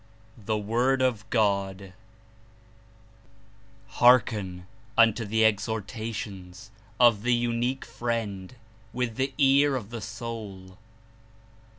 THE WORD OF GOD "Hearken unto the exhortations of the Unique Friend with the ear of the soul.